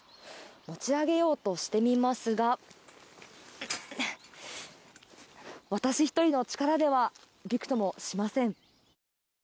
持ち上げようとしてみますが、私１人の力ではびくともしません。